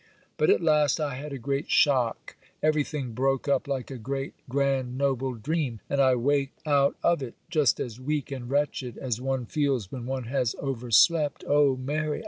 'But at last I had a great shock; everything broke up like a great, grand, noble dream; and I waked out of it just as weak and wretched as one feels when one has overslept. Oh, Mary!